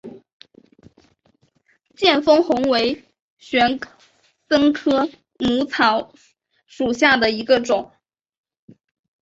见风红为玄参科母草属下的一个种。